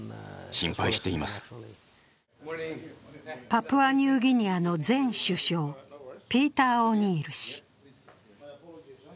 パプアニューギニアの前首相、ピーター・オニール氏。